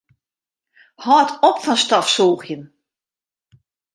Hâld op fan stofsûgjen.